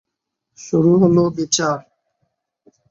শুরু হল বিচার।